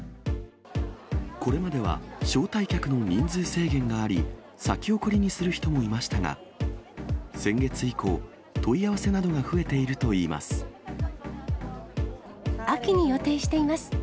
これまでは招待客の人数制限があり、先送りにする人もいましたが、先月以降、問い合わせなど秋に予定しています。